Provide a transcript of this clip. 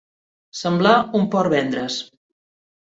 Semblar un Portvendres.